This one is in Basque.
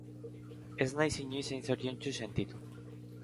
Ez naiz inoiz hain zoriontsu sentitu.